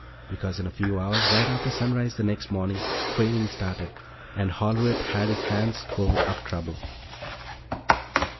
Because in a few hours, right after sunrise the next morning, training started and Hollerith had his hands full of trouble.